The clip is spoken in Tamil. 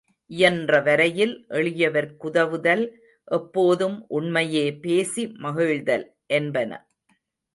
இயன்றவரையில் எளியவர்க்குதவுதல், எப்போதும் உண்மையே பேசி மகிழ்தல் என்பன.